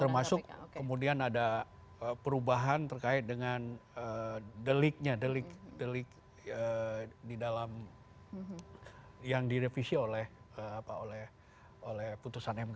termasuk kemudian ada perubahan terkait dengan deliknya delik delik di dalam yang direvisi oleh putusan mk